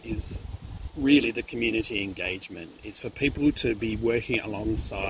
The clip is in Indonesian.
ini adalah untuk orang orang bekerja bersama orang orang yang sama